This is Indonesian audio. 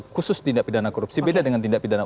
khusus tindak pidana korupsi beda dengan tindak pidana